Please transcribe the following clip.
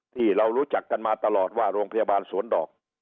ที่เรารู้จักกันมาตลอดว่าโรงพยาบาลสวนดอก